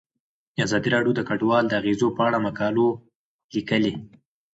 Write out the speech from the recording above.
ازادي راډیو د کډوال د اغیزو په اړه مقالو لیکلي.